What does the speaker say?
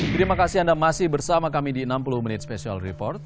terima kasih anda masih bersama kami di enam puluh menit special report